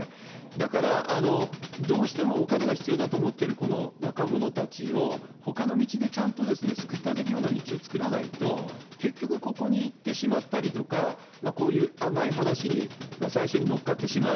だから、どうしてもお金が必要だと思ってるこの若者たちを、ほかの道でちゃんとですね、救ってあげるような道を作らないと、結局ここにいってしまったりとか、こういう甘い話に最初に乗っかってしまう。